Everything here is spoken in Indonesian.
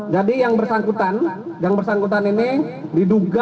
jadi yang bersangkutan yang bersangkutan ini diduga